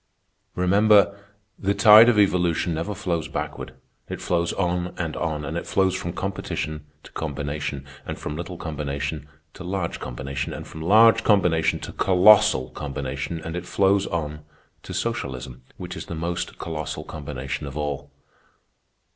Remember, the tide of evolution never flows backward. It flows on and on, and it flows from competition to combination, and from little combination to large combination, and from large combination to colossal combination, and it flows on to socialism, which is the most colossal combination of all.